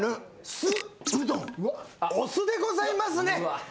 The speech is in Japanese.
お酢でございますね。